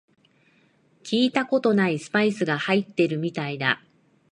聞いたことないスパイスが入ってるみたいだ